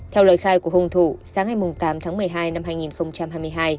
theo lời khai của hùng thủ sáng ngày tám tháng một mươi hai năm hai nghìn hai mươi hai